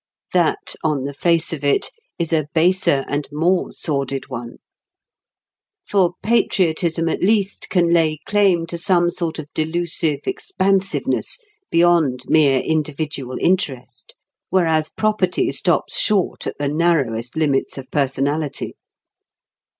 That, on the face of it, is a baser and more sordid one. For patriotism at least can lay claim to some sort of delusive expansiveness beyond mere individual interest; whereas property stops short at the narrowest limits of personality.